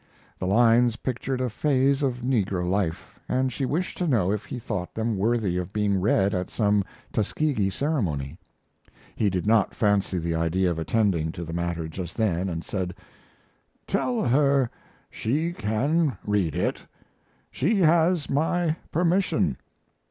The lines pictured a phase of negro life, and she wished to know if he thought them worthy of being read at some Tuskegee ceremony. He did not fancy the idea of attending to the matter just then and said: "Tell her she can read it. She has my permission.